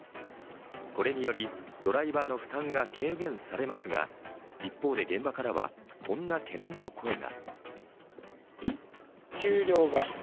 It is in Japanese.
これによりドライバーの負担が軽減されますが、一方で現場からはこんな懸念の声が。